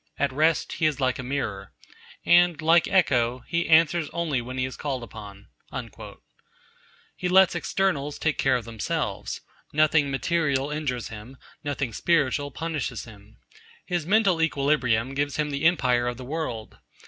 At rest, he is like a mirror. And, like Echo, he answers only when he is called upon.' He lets externals take care of themselves. Nothing material injures him; nothing spiritual punishes him. His mental equilibrium gives him the empire of the world.